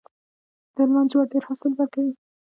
د هلمند جوار ډیر حاصل ورکوي.